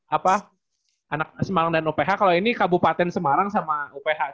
apa anak semarang dan uph kalau ini kabupaten semarang sama uph